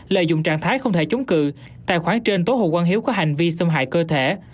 lợi dụng trạng thái không thể chống cự tài khoản trên tố hồ quang hiếu có hành vi xâm hại cơ thể